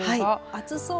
暑そう。